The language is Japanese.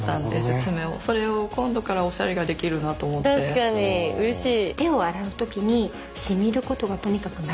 確かにうれしい。